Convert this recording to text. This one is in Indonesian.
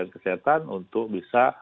kesehatan untuk bisa